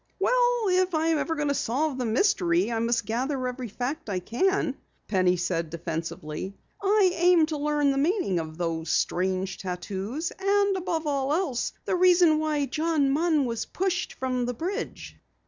"Well, if I'm ever going to solve the mystery I must gather every fact I can," Penny said defensively. "I aim to learn the meaning of those strange tattoos and, above all, the reason why John Munn was pushed from the bridge."